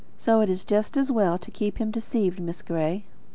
So it is just as well to keep him deceived, Miss Gray."